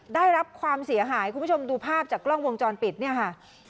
ได้รับความเสียหายคุณผู้ชมดูภาพจากกล้องวงจรปิดเนี่ยค่ะ